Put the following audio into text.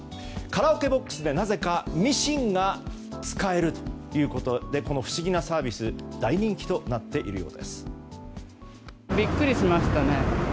カラオケボックスで、なぜかミシンが使えるということでこの不思議なサービスが大人気となっているようです。